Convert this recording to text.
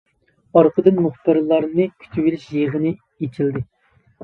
ئارقىدىن مۇخبىرلارنى كۈتۈۋېلىش يىغىنى ئېچىلدى .